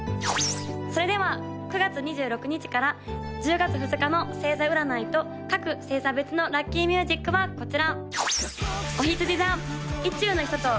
それでは９月２６日から１０月２日の星座占いと各星座別のラッキーミュージックはこちら！